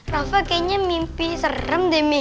rafa kayaknya mimpi serem deh meh